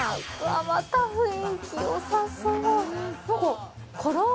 また、雰囲気よさそう。